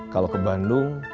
kalau ke bandung